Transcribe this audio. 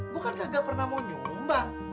lo kan kagak pernah mau nyumbang